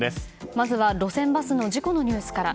まずは路線バスの事故のニュースから。